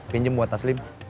pinjem buat taslim